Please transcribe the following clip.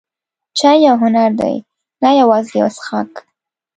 چای یو هنر دی، نه یوازې یو څښاک.